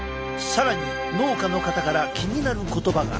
更に農家の方から気になる言葉が！